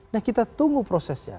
nah kita tunggu prosesnya